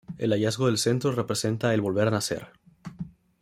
El hallazgo del centro representa el volver a nacer.